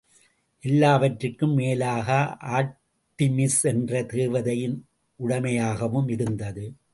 எல்லாவற்றிற்கும் மேலாக ஆர்ட்டிமிஸ் என்ற தேவதையின் உடமையாகவும் இருந்தது.